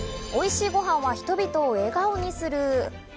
おいしいごはんは人々を笑顔にする。